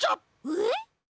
えっ？